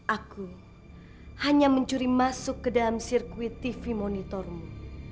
aku hanya mencuri masuk ke dalam sirkuit tv monitormu